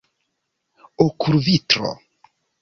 okulvitro